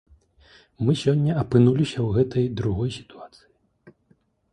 Мы сёння апынуліся ў гэтай другой сітуацыі.